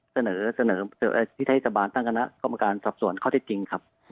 เสนอที่เทศบาลตั้งคณะกรรมการสอบส่วนข้อเท็จจริงครับ